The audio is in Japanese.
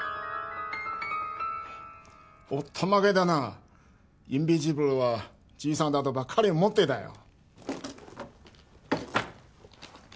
おったまげたなインビジブルはじいさんだとばっかり思ってたよ